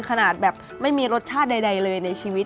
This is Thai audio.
ขนาดแบบไม่มีรสชาติใดเลยในชีวิต